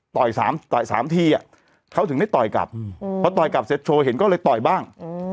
ต่อย๓ทีเขาถึงได้ต่อยกลับพอต่อยกลับเสร็จโชว์เห็นก็เลยต่อยบ้าง